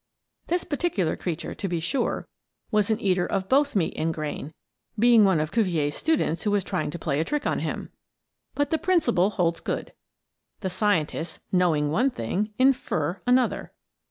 This particular creature, to be sure, was an eater of both meat and grain being one of Cuvier's students who was trying to play a trick on him. But the principle holds good. The scientists, knowing one thing, infer another.